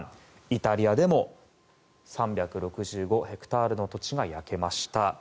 イタリアでも３６５ヘクタールの土地が焼けました。